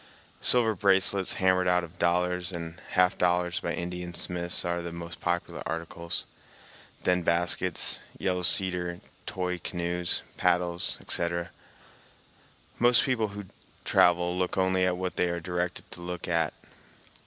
Silver bracelets hammered out of dollars and half dollars by Indian smiths are the most popular articles, then baskets, yellow cedar toy canoes, paddles, etc. Most people who travel look only at what they are directed to look at.